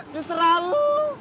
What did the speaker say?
ya serah lu